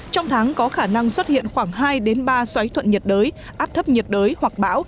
trong tháng có khả năng xuất hiện khoảng hai ba xoáy thuận nhiệt đới áp thấp nhiệt đới hoặc bão